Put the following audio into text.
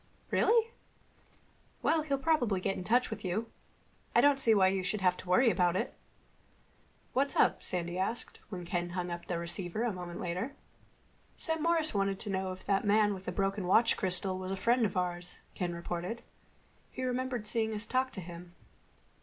Really? Well, he'll probably get in touch with you. I don't see why you should have to worry about it." "What's up?" Sandy asked, when Ken hung up the receiver a moment later. "Sam Morris wanted to know if that man with the broken watch crystal was a friend of ours," Ken reported. "He remembered seeing us talk to him."